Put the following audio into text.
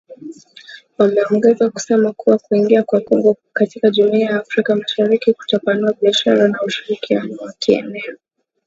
Wameongeza kusema kuwa kuingia kwa Kongo katika Jumuiya ya Afrika Mashariki kutapanua biashara na ushirikiano wa kieneo.